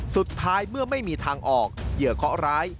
สุดท้ายเมื่อไม่มีทางออกเหยื่อเคาะร้าย